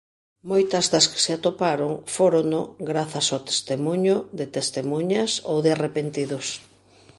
Moitas das que se atoparon fórono grazas ao testemuño de testemuñas ou de arrepentidos.